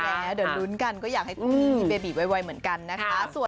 ใช่แม่เดินรุ้นกันก็อยากให้มีเบบีเวยเหมือนกันนะคะ